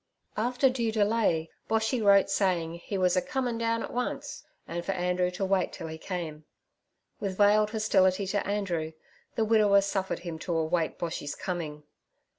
After due delay Boshy wrote saying he was 'a comin' down at once' and for Andrew to wait till he came. With veiled hostility to Andrew, the widower suffered him to await Boshy's coming.